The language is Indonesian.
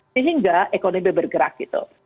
sehingga ekonomi bergerak gitu